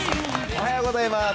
おはようございます。